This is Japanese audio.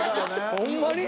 ホンマに？